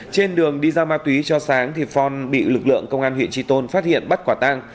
trên đường đi giao ma túy cho sáng thì phong bị lực lượng công an huyện tri tôn phát hiện bắt quả tang